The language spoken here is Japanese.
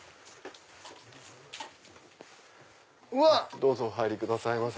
どうぞお入りくださいませ。